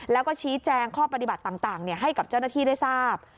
แล้วก็ชี้แจงข้อปฏิบัติต่างให้กับเจ้าหน้าที่ได้ทราบ